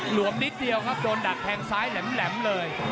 วมนิดเดียวครับโดนดักแทงซ้ายแหลมเลย